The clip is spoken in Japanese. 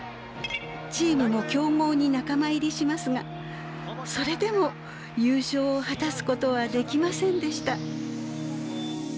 チームも強豪に仲間入りしますがそれでも優勝を果たすことはできませんでした。